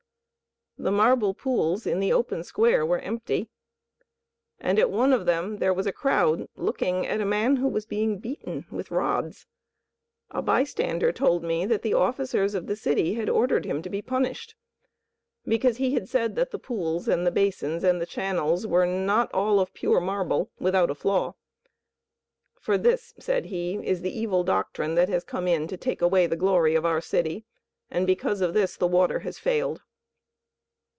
The marble pools in the open square were empty; and at one of them there was a crowd looking at a man who was being beaten with rods. A bystander told me that the officers of the city had ordered him to be punished because he had said that the pools and the basins and the channels were not all of pure marble, without a flaw. "For this," said he, "is the evil doctrine that has come in to take away the glory of our city, and because of this the water has failed."